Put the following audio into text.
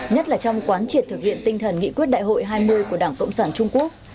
nhất là trong quán triệt thực hiện tinh thần nghị quyết đại hội hai mươi của đảng cộng sản trung quốc